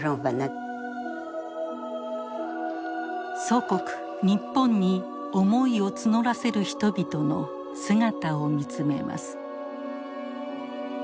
祖国日本に思いを募らせる人々の姿を見つめます。